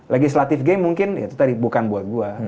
legislative game mungkin itu tadi bukan buat gue